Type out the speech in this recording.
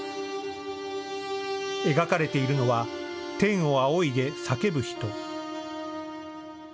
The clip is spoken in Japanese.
描かれているのは天を仰いで叫ぶ人。